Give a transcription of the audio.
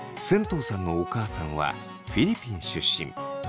とうさんのお母さんはフィリピン出身。